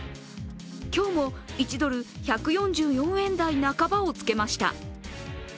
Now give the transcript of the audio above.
今日も１ドル＝１４４円台半ばをつけました。